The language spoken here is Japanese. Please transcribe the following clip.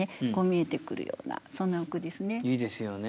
いいですよね！